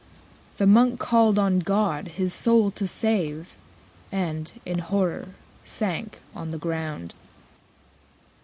The Monk called on God his soul to save, And, in horror, sank on the ground.